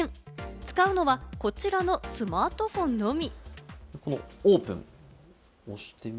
使うのはこちらのスマートフォンのみ。